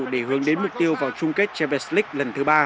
để hướng đến mục tiêu vào chung kết champions league lần thứ ba